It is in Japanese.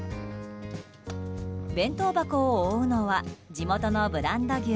弁当箱を覆うのは地元のブランド牛